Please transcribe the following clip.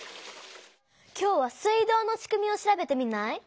今日は水道のしくみを調べてみない？